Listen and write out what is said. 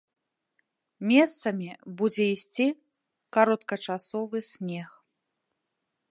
Месцамі будзе ісці кароткачасовы снег.